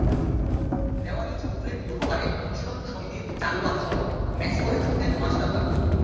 দেওয়ানিজ পুকুরের পূর্ব পাড়ে অনুশীলন সমিতির চারু বাবুসহ মেস করে থাকতেন মাস্টারদা।